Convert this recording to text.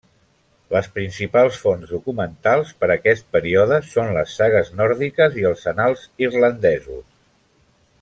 Les principals fonts documentals per aquest període són les sagues nòrdiques i els annals irlandesos.